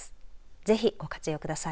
ぜひご活用ください。